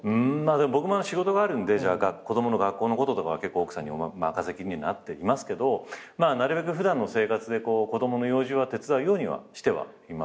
僕も仕事があるんで子供の学校のこととかは奥さんに任せきりになっていますけどなるべく普段の生活で子供の用事は手伝うようにはしてはいます。